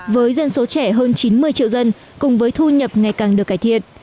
với dân số trẻ hơn chín mươi triệu dân cùng với thu nhập ngày càng được cải thiện